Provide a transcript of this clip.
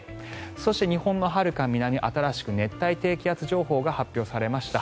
そして日本のはるか南新しい熱帯低気圧の発生情報が発表されました。